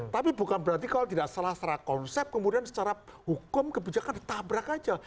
tapi bukan berarti kalau tidak salah secara konsep kemudian secara hukum kebijakan ditabrak aja